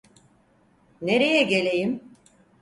Nereye geleyim?